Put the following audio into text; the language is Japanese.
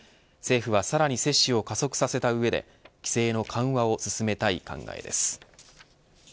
政府はさらに接種を加速させた上で規制の緩和を進めたい考えです。